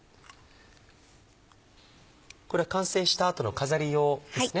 これは完成した後の飾り用ですね。